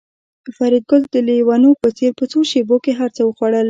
فریدګل د لېونو په څېر په څو شېبو کې هرڅه وخوړل